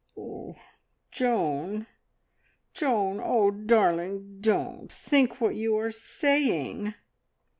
"Joan, Joan! Oh, darling, don't! Think what you are saying!"